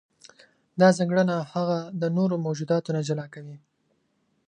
دا ځانګړنه هغه د نورو موجوداتو نه جلا کوي.